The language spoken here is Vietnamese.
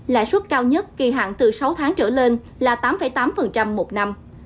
lãi suất cao nhất kỳ hạn từ sáu tháng trở lên là tám tám một năm